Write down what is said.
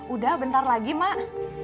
udah bentar lagi mak